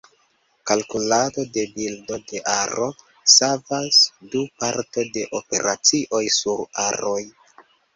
Kalkulado de bildo de aro savas nu parto de operacioj sur aroj.